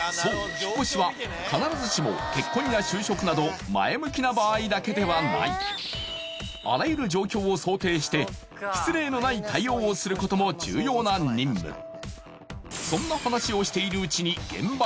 引越しは必ずしも結婚や就職など前向きな場合だけではない失礼のない対応をすることも重要な任務そんな話をしているうちに橋